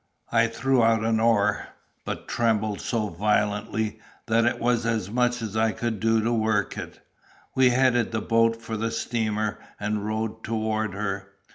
I threw out an oar, but trembled so violently that it was as much as I could do to work it. We headed the boat for the steamer and rowed toward her.